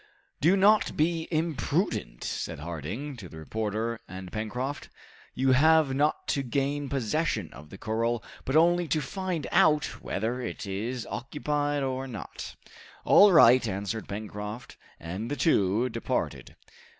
"Do not be imprudent," said Harding to the reporter and Pencroft, "you have not to gain possession of the corral, but only to find out whether it is occupied or not." "All right," answered Pencroft. And the two departed.